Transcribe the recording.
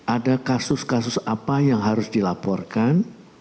ada kasus kasus apa yang harus dilaporkan